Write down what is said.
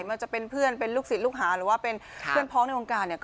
ส่วนใหญ่จะเป็นเพื่อนลูกศิษย์ลูกหารหรือว่าเพื่อนพ้องในวงการ